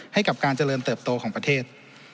ให้กับการเจริญเติบโตของประเทศ